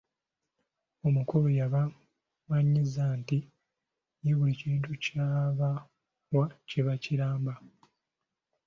Omukulu yabamanyiiza nti ye buli kintu ky'abawa kiba kiramba.